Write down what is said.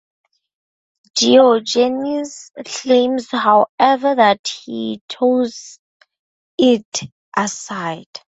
Diogenes claims however that he tossed it aside.